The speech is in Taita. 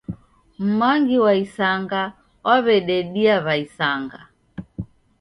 M'mangi wa isanga wawededia w'aisanga.